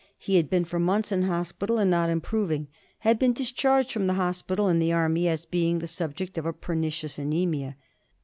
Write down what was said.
He had been for months in hospital, and, not improving, had been discharged from the hospital and the Army as being the subject of a pernicious anaemia.